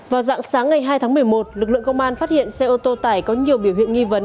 vào dạng sáng ngày hai tháng một mươi một lực lượng công an phát hiện xe ô tô tải có nhiều biểu hiện nghi vấn